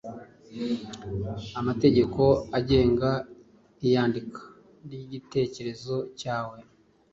amategeko agenga iyandika ry'igitekerezo cyawe